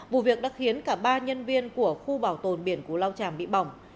vụ việc đã khiến cả ba nhân viên của khu bảo tồn biển cú lao tràm bị bỏng